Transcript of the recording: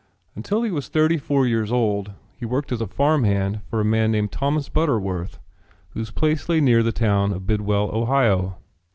Until he was thirty four years old he worked as a farm hand for a man named Thomas Butterworth whose place lay near the town of Bidwell, Ohio.